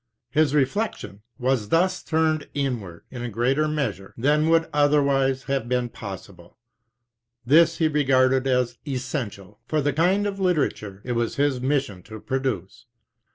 His reflection was thus turned inward in a greater measure than would otherwise have been possible ; this he regarded as essential for the kind of litera ture it was his mission to produce.